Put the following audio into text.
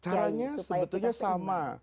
caranya sebetulnya sama